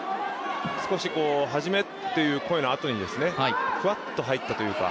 少し、はじめという声のあとにふわっと入ったというか。